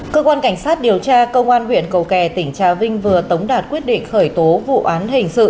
cơ quan cảnh sát điều tra công an huyện cầu kè tỉnh trà vinh vừa tống đạt quyết định khởi tố vụ án hình sự